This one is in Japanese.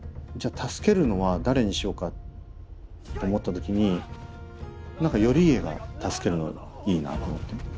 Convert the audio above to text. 助けるのは誰にしようかと思った時に頼家が助けるのいいなと思って。